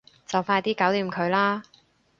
就快啲搞掂佢啦